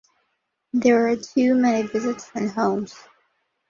There are too many visits in homes.